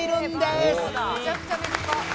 めちゃくちゃ身近。